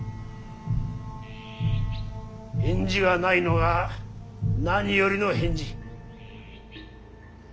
返事がないのが何よりの返事。